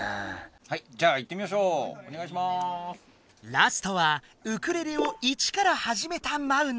ラストはウクレレを一からはじめたマウナ。